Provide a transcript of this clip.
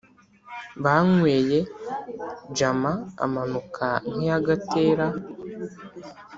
banyweye ,jama amanuka nkiyagatera